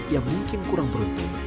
yang mungkin kurang beruntung